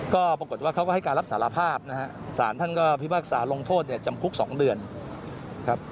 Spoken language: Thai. ก็ปรากฏว่าเขาก็ให้การรับสารภาพนะฮะสารท่านก็พิพากษาลงโทษเนี่ยจำคุก๒เดือนครับ